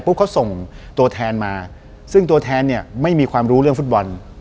เขาส่งตัวแทนมาซึ่งตัวแทนเนี่ยไม่มีความรู้เรื่องฟุตบอล